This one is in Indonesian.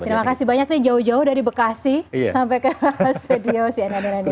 terima kasih banyak nih jauh jauh dari bekasi sampai ke studio si ananya nandesho